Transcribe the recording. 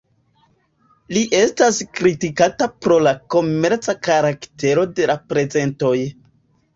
Li estas kritikata pro la komerca karaktero de la prezentoj.